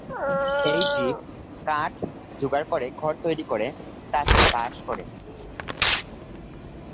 এই জীব কাঠ জোগাড় করে ঘর তৈরি করে তাতে বাস করে।